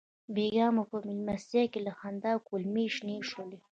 بېګا مو په مېلمستیا کې له خندا کولمې شنې شولې.